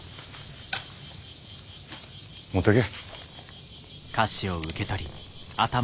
持ってけ。